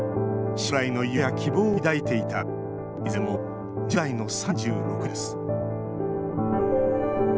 将来の夢や希望を抱いていたいずれも２０代の３６人です。